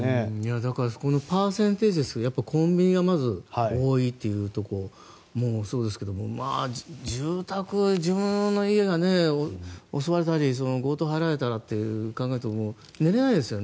だからパーセンテージですがコンビニがまず多いということもそうですけど住宅、自分の家が襲われたり強盗に入られたらと考えると寝れないですよね。